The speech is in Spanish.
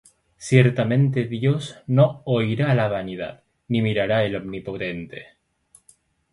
Ciertamente Dios no oirá la vanidad, Ni la mirará el Omnipotente.